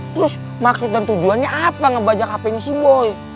terus maksud dan tujuannya apa ngebajak hpnya si boy